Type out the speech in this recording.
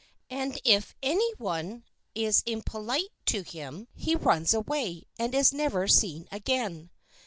And if any one is impolite to him, he runs away, and is never seen again.